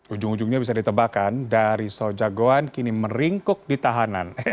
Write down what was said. ujung ujungnya bisa ditebakan dari soejang goan kini meringkuk di tahanan